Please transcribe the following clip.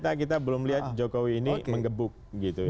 kita belum lihat jokowi ini mengebuk gitu ya